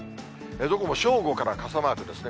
どこも正午から傘マークですね。